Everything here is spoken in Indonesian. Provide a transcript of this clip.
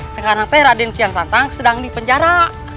sekarang teh raden kian satang sedang di penjara